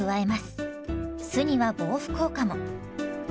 酢には防腐効果も。